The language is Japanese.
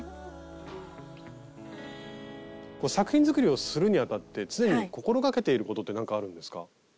作品作りをするにあたって常に心掛けていることって何かあるんですか？